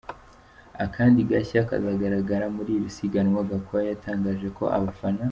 Akandi gashya kazagaragara muri iri siganwa Gakwaya yatangaje ko abafana .